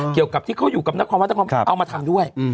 เกี่ยวกับที่เขาอยู่กับนครวัดนครเอามาทำด้วย